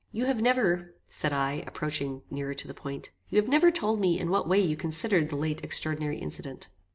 "You have never," said I, approaching nearer to the point "you have never told me in what way you considered the late extraordinary incident."